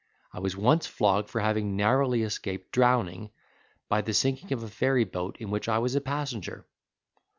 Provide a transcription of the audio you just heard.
I was once flogged for having narrowly escaped drowning, by the sinking of a ferry boat in which I was passenger.